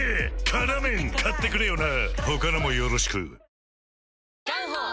「辛麺」買ってくれよな！